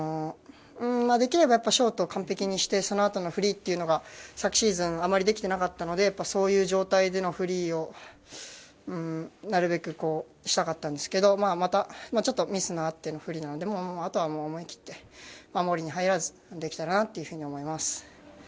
できればショートを完璧にしてそのあとのフリーというのが昨シーズンあまりできていなかったのでそういう状態でのフリーをなるべくしたかったんですけどまた、ミスのあってのフリーなのであとは思い切って守りに入らずできたらなと思います。